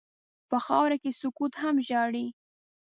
په خاوره کې سکوت هم ژاړي.